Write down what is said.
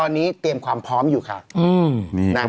น้ำชาชีวนัทครับผมโพสต์ขอโทษทำเข้าใจผิดหวังคำเวพรเป็นจริงนะครับ